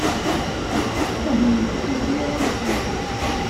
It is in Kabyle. Am nekkini am atmaten-iw.